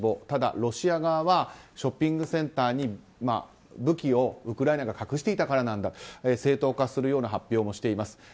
ただ、ロシア側はショッピングセンターに武器をウクライナが隠していたからなんだと正当化するような発表もしています。